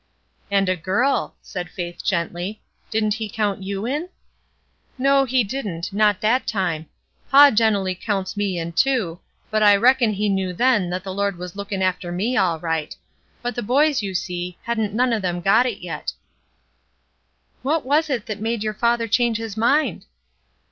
'" "And a girl," said Faith, gently. "Didn't he count you in?" "No, he didn't; not that time. Paw gen' ally counts me in, too, but I reckon he knew then that the Lord was lookin' after me all right ; but the boys, you see, hadn't none of 'em got it yet." "What was it that made your father change his mind?"